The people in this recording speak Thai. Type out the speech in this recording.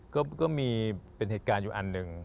ก็มีเป็นเหตุการณ์อยู่อันหนึ่ง